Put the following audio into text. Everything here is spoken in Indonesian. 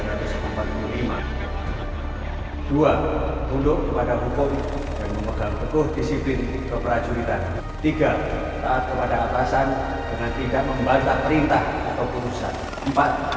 tiga taat kepada atasan dengan tidak membantah perintah atau perusahaan